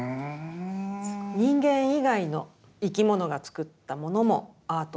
人間以外の生き物が作ったものもアート作品。